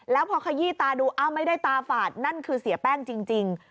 แล้วพอขยี้ตาดูอ้าวไม่ได้ตาฝาดนั่นคือเสียแป้งจริง